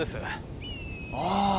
ああ。